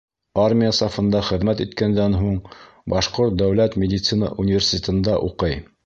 Армия сафында хеҙмәт иткәндән һуң, Башҡорт дәүләт медицина университетында уҡый.